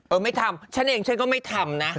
ไม่ทำฉันเองฉันก็ไม่ทำนะ